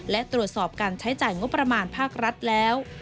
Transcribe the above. และตรวจสอบการใช้จ่ายงบประมาณภาครัฐแล้ว